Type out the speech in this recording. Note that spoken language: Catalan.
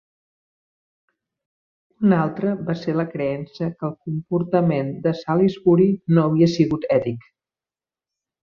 Un altre va ser la creença que el comportament de Salisbury no havia sigut ètic.